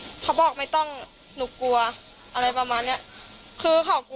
สุดท้ายตัดสินใจเดินทางไปร้องทุกข์การถูกกระทำชำระวจริงและตอนนี้ก็มีภาวะซึมเศร้าด้วยนะครับ